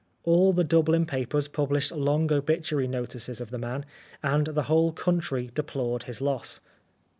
All the Dublin papers published long obituary notices of the man, and the whole country deplored his loss.